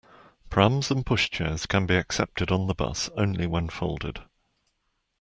Prams and pushchairs can be accepted on the bus only when folded